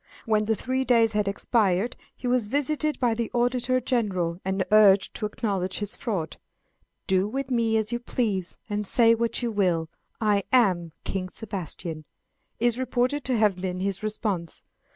When the three days had expired he was visited by the Auditor General, and urged to acknowledge his fraud. "Do with me as you please, and say what you will, I am King Sebastian," is reported to have been his response.